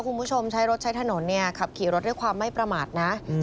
คุณผู้ชมใช้รถใช้ถนนเนี้ยขับขี่รถด้วยความไม่ประมาทนะอืม